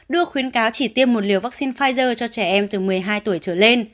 đưa khuyến cáo chỉ tiêm một liều vaccine pfizer cho trẻ em từ một mươi hai tuổi trở lên